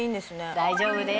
大丈夫です。